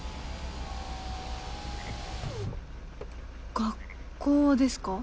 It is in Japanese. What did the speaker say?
学校ですか？